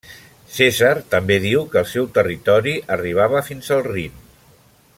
Cèsar també diu que el seu territori arribava fins al Rin.